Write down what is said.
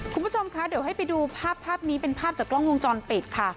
คุณผู้ชมคะเดี๋ยวให้ไปดูภาพภาพนี้เป็นภาพจากกล้องวงจรปิดค่ะ